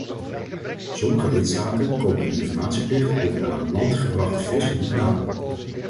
Sommige lidstaten komen hun informatieplicht over de aan land gebrachte vis niet na.